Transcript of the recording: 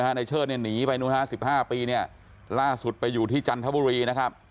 ถ้าในเชิดหนีไปนู่น๑๕ปีล่าสุดไปอยู่ที่จันทบุรีนะครับ